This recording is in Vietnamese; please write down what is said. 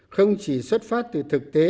không chỉ xuất phát từ thực tế